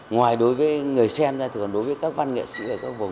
ngoài đối với người xem ra thường đối với các văn nghệ sĩ ở các vùng